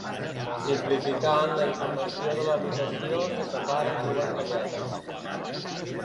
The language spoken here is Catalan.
Simplificant, la informació de la votació se separa en dues galledes.